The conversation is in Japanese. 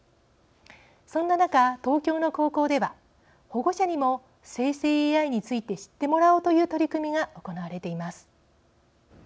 そんな中東京の高校では保護者にも生成ＡＩについて知ってもらおうという取り組みが行われています。